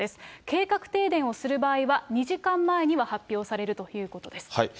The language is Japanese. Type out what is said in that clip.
計画停電をする場合は２時間前には発表されるということです。